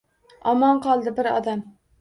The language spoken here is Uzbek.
Omon qoldi bir odam.